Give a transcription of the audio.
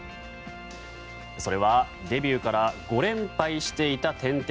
それはデビューから５連敗していた天敵